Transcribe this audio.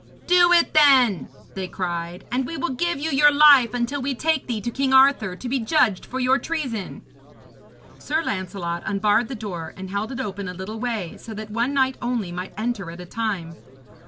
'Do it then,' they cried, 'and we will give you your life until we take thee to King Arthur, to be judged for your treason.' Sir Lancelot unbarred the door and held it open a little way, so that one knight only might enter at a time.